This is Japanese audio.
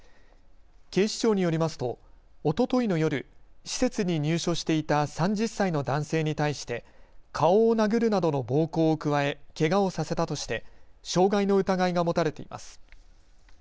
警視庁によりますとおとといの夜、施設に入所していた３０歳の男性に対して顔を殴るなどの暴行を加え、けがをさせたとして傷害の疑いが持たれています。